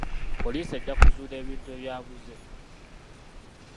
Poliisi ejja kuzuula ebintu ebyabuze.